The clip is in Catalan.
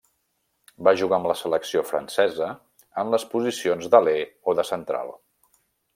Va jugar amb la selecció francesa en les posicions d'aler o de central.